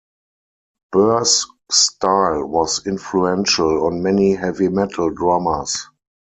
Burr's style was influential on many heavy metal drummers.